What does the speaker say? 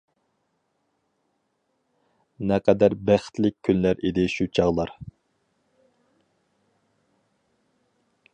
نەقەدەر بەختلىك كۈنلەر ئىدى ئۇ چاغلار!